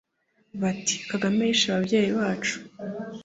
bati: «Kagame yishe ababyeyi bacu